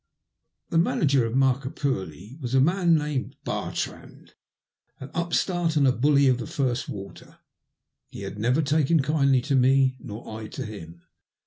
The manager of Markapurlie was a man named Bartrand, an upstart and a bully of the first water. He had never taken kindly to me nor I to him.